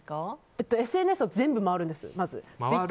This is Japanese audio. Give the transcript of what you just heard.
ＳＮＳを全部回るんです。